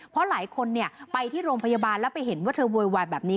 เพราะหลายคนไปที่โรงพยาบาลแล้วไปเห็นว่าเธอโวยวายแบบนี้